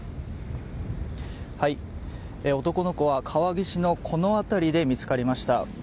男の子は川岸のこの辺りで見つかりました。